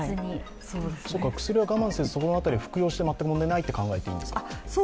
薬は我慢せず服用して全く問題ないと考えていいんですか。